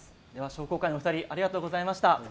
商工会のお二人ありがとうございました。